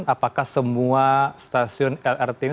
apakah semua stasiun lrt ini